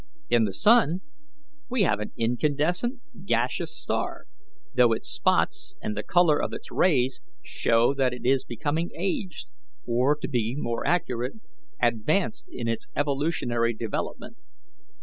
In the sun we have an incandescent, gaseous star, though its spots and the colour of its rays show that it is becoming aged, or, to be more accurate, advanced in its evolutionary development.